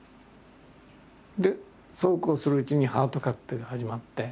でそうこうするうちに「ハートカクテル」が始まって。